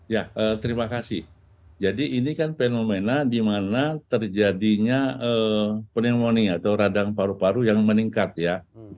ya terima kasih jadi ini kan fenomena di mana terjadinya pneumonia atau radang paru paru yang meningkat ya